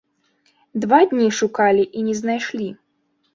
Два дні шукалі і не знайшлі.